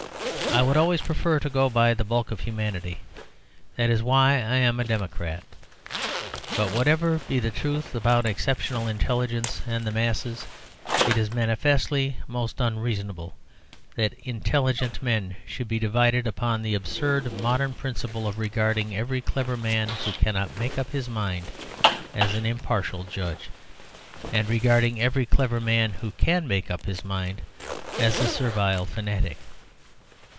I would always prefer to go by the bulk of humanity; that is why I am a democrat. But whatever be the truth about exceptional intelligence and the masses, it is manifestly most unreasonable that intelligent men should be divided upon the absurd modern principle of regarding every clever man who cannot make up his mind as an impartial judge, and regarding every clever man who can make up his mind as a servile fanatic.